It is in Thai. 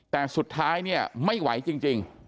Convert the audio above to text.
แต่สุดท้ายเนี่ยไม่ไหวจริง